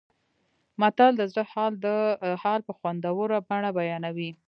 متل د زړه حال په خوندوره بڼه بیانوي